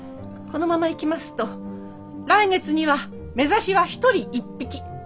このままいきますと来月にはめざしは１人１匹。